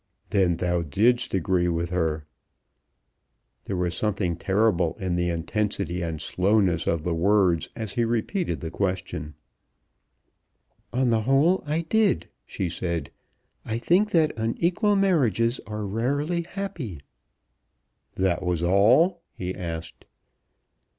"Then thou didst agree with her?" There was something terrible in the intensity and slowness of the words as he repeated the question. "On the whole I did," she said. "I think that unequal marriages are rarely happy." "That was all?" he asked.